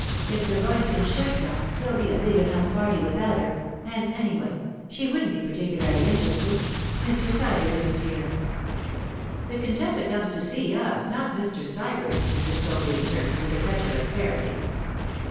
If the Roystons should come, there'll be a big enough party without her; and, anyway, she wouldn't be particularly interested—Mr. Sybert isn't here.' 'The contessa comes to see us, not Mr. Sybert,' Mrs. Copley returned, with a touch of asperity.